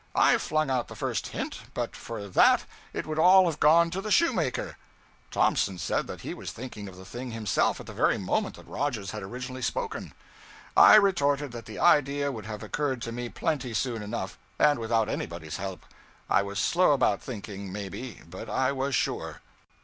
I flung out the first hint but for that it would all have gone to the shoemaker.' Thompson said that he was thinking of the thing himself at the very moment that Rogers had originally spoken. I retorted that the idea would have occurred to me plenty soon enough, and without anybody's help. I was slow about thinking, maybe, but I was sure.